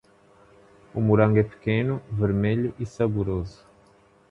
O morango é pequeno, vermelho e saboroso.